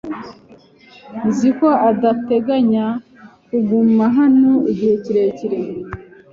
Nzi ko udateganya kuguma hano igihe kirekire.